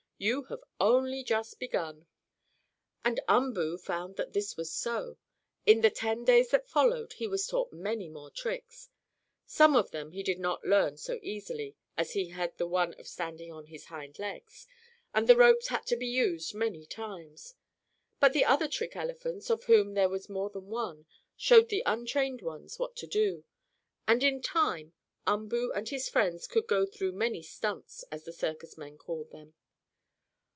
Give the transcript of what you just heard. "You have only just begun." And Umboo found that this was so. In the ten days that followed he was taught many more tricks. Some of them he did not learn so easily as he had the one of standing on his hind legs, and the ropes had to be used many times. But the other trick elephants, of whom there was more than one, showed the untrained ones what to do, and, in time, Umboo and his friends could go through many "stunts," as the circus men called them.